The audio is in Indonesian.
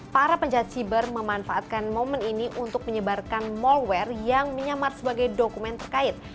para penjahat siber memanfaatkan momen ini untuk menyebarkan malware yang menyamar sebagai dokumen terkait